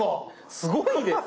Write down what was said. すごいです！